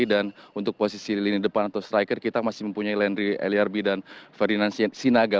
dan untuk posisi lini depan atau striker kita masih mempunyai landry eliarbi dan ferdinand sinaga